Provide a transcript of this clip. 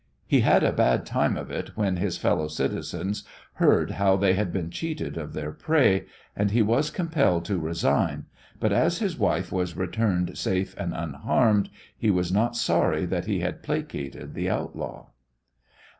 He had a bad time of it when his fellow citizens heard how they had been cheated of their prey, and he was compelled to resign, but as his wife was returned safe and unharmed he was not sorry that he had placated the outlaw.